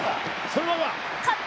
そのまま！